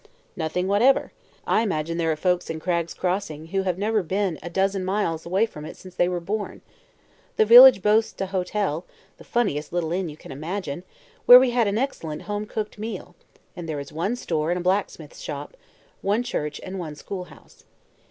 "Nothing whatever. I imagine there are folks Cragg's Crossing who have never been a dozen miles away from it since they were born. The village boasts a 'hotel' the funniest little inn you can imagine where we had an excellent home cooked meal; and there is one store and a blacksmith's shop, one church and one schoolhouse.